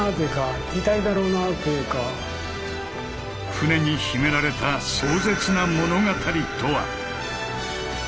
船に秘められた「壮絶な物語」とは？